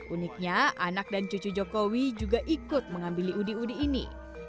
uniknya anak dan cucu jokowi juga ikut mengambil udi udi ini